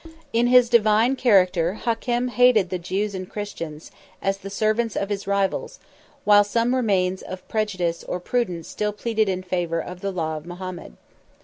68 In his divine character, Hakem hated the Jews and Christians, as the servants of his rivals; while some remains of prejudice or prudence still pleaded in favor of the law of Mahomet.